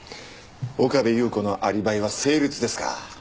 岡部祐子のアリバイは成立ですか。